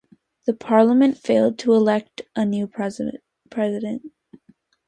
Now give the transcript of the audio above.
The parliament failed to elect a new president.